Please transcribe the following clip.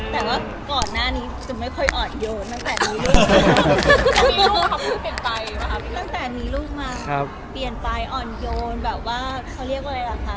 แต่ว่าก่อนหน้านี้จะไม่ค่อยอ่อนโยนตั้งแต่นี้ลูกมาเปลี่ยนไปอ่อนโยนเขาเรียกว่าอะไรล่ะคะ